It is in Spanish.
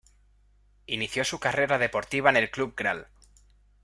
Inició su carrera deportiva en el Club Gral.